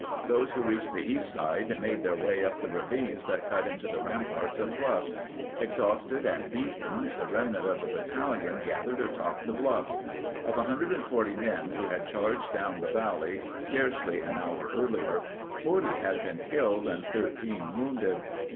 Those who reached the east side made their way up the ravines that cut into the rampart of bluffs. Exhausted and beaten, the rem nant of the battalion gathered atop the bluffs. Of 140 men who had charged down the valley scarcely an hour earlier, 40 had been killed and 13 wounded.